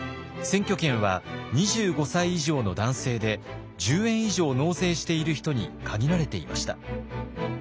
選挙権は２５歳以上の男性で１０円以上納税している人に限られていました。